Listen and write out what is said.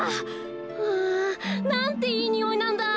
わなんていいにおいなんだ。